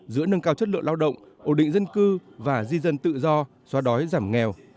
giữa nâng cao chất lượng lao động ổn định dân cư và di dân tự do xóa đói giảm nghèo